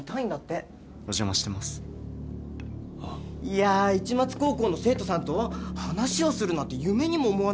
いやぁ市松高校の生徒さんと話をするなんて夢にも思わなかったです。